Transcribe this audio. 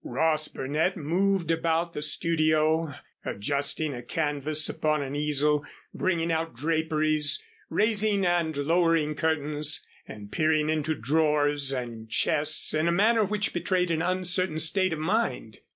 Ross Burnett moved about the studio adjusting a canvas upon an easel, bringing out draperies, raising and lowering curtains, and peering into drawers and chests in a manner which betrayed an uncertain state of mind.